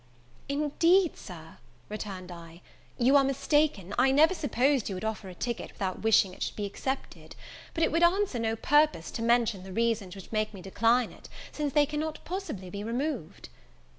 "Indeed, Sir," returned I, "you are mistaken; I never supposed you would offer a ticket without wishing it should be accepted; but it would answer no purpose to mention the reasons which make me decline it, since they cannot possibly be removed."